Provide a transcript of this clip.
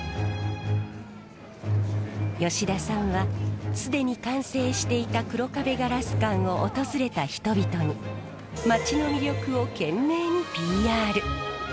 吉田さんは既に完成していた黒壁ガラス館を訪れた人々に町の魅力を懸命にＰＲ。